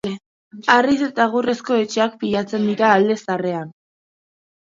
Harriz eta egurrezko etxeak pilatzen dira alde zaharrean.